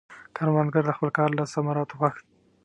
کروندګر د خپل کار له ثمراتو خوښ دی